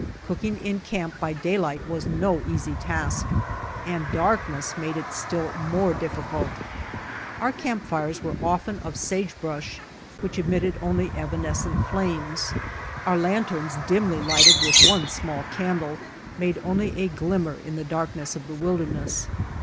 Cooking in camp by daylight, was no easy task, and darkness made it still more difficult. Our camp fires were often of sage brush which emitted only evanescent flames. Our lanterns dimly lighted with one small candle made only a glimmer in the darkness of the wilderness.